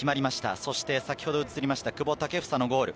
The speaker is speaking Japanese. そして先ほど映りました久保建英のゴール。